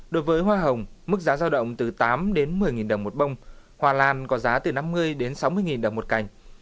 đối với hoa hồng mức giá giao động từ tám một mươi đồng một bông hoa lan có giá từ năm mươi sáu mươi đồng một cành